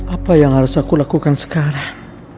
apa yang harus aku lakukan sekarang